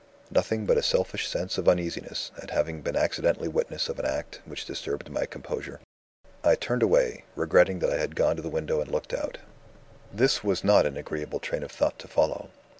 Nothing but a selfish sense of uneasiness, at having been accidentally witness of an act which disturbed my composure. I turned away, regretting that I had gone to the window and looked out. "This was not an agreeable train of thought to follow.